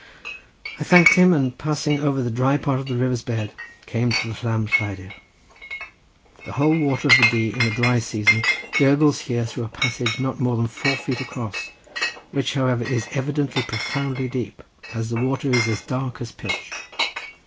I thanked him, and passing over the dry part of the river's bed, came to the Llam Lleidyr. The whole water of the Dee in the dry season gurgles here through a passage not more than four feet across, which, however, is evidently profoundly deep, as the water is as dark as pitch.